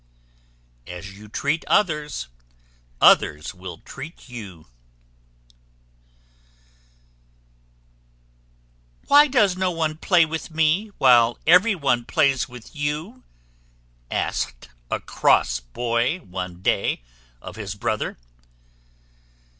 As you treat others, others will treat you. "Why does no one play with me, while every one plays with you?" asked a cross boy, one day, of his brother.